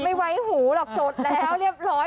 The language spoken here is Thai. ไม่ไว้หูหรอกจดแล้วเรียบร้อย